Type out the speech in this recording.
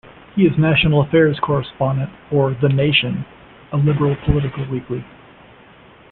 He is national affairs correspondent for "The Nation", a liberal political weekly.